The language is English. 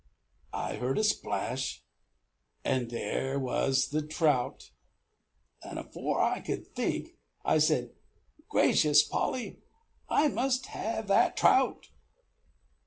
_' I heard a splash, and there was the trout, and, afore I could think, I said: 'Gracious, Polly, I must have that trout.'